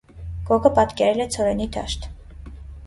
Գոգը պատկերել է ցորենի դաշտ։